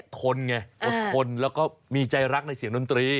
ทนไงอดทนแล้วก็มีใจรักในเสียงดนตรี